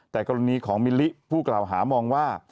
แต่กรณีของมิลลิผู้กล่าวหามองว่า